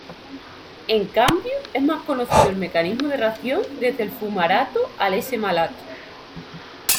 En cambio, es más conocido el mecanismo de reacción desde el fumarato al S-malato.